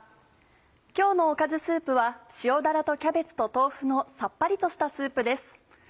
今日のおかずスープは塩だらとキャベツと豆腐のさっぱりとしたスープです。